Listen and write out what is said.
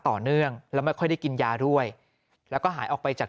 ต่อเนื่องแล้วไม่ค่อยได้กินยาด้วยแล้วก็หายออกไปจาก